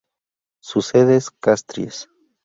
Su sede es Castries.